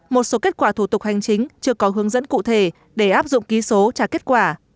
một số kết quả thủ tục hành chính chưa có hướng dẫn cụ thể để áp dụng ký số trả kết quả